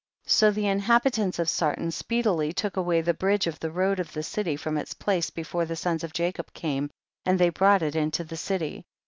24. So the inhabitants of Sarton speedily took away the bridge of the road of the city, from its place, before the sons of Jacob came, and they brought it into the city.